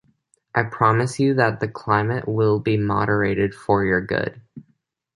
I promise you that the climate will be moderated for your good.